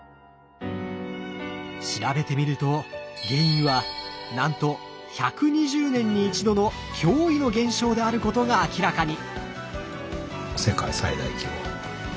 調べてみると原因はなんと１２０年に一度の驚異の現象であることが明らかに！